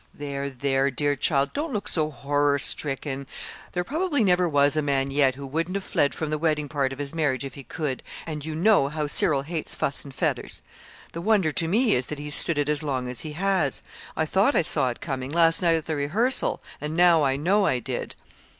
"There, there, dear child, don't look so horror stricken. There probably never was a man yet who wouldn't have fled from the wedding part of his marriage if he could; and you know how Cyril hates fuss and feathers. The wonder to me is that he's stood it as long as he has. I thought I saw it coming, last night at the rehearsal and now I know I did."